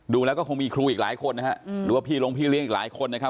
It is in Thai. ดูแล้วก็คงมีครูอีกหลายคนนะฮะหรือว่าพี่ลงพี่เลี้ยงอีกหลายคนนะครับ